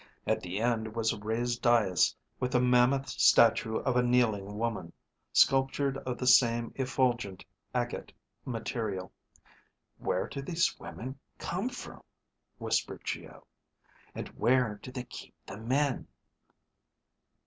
At the far end was a raised dais with a mammoth statue of a kneeling woman, sculptured of the same effulgent, agate material. "Where do these women come from?" whispered Geo. "And where do they keep the men?"